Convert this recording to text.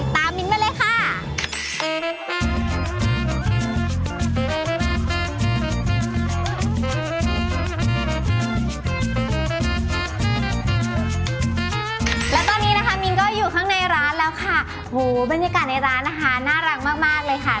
แล้วตอนนี้นะคะมิงก็อยู่ข้างในร้านแล้วค่ะบรรยากาศในร้านนะคะน่ารักมากเลยค่ะ